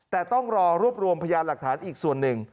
แต่ต้องรอรวบรวมพยานหลักฐานอีกส่วนหนึ่ง